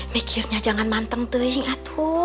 mikirnya jangan manteng tehing atu